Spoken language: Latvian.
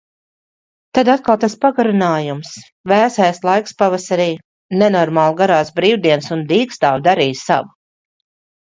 Tad atkal tas pagarinājums. Vēsais laiks pavasarī. Nenormāli garās brīvdienas un dīkstāve darīja savu.